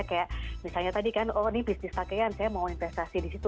kayak misalnya tadi kan oh ini bisnis pakaian saya mau investasi di situ